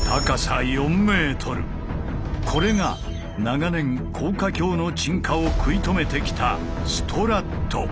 これが長年高架橋の沈下を食い止めてきた